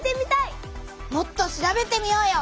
もっと調べてみようよ！